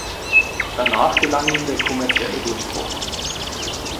Danach gelang ihm der kommerzielle Durchbruch.